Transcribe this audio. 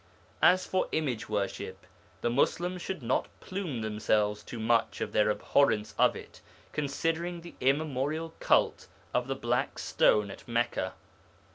As for image worship, the Muslims should not plume themselves too much on their abhorrence of it, considering the immemorial cult of the Black Stone at Mecca.